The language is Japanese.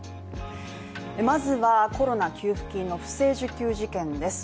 まずはコロナ給付金の不正受給事件です。